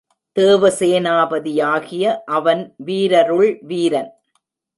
தேவசேனாபதியாகிய அவன் வீரருள் வீரன்.